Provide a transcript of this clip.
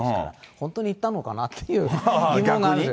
本当に行ったのかなっていう疑問があるんです。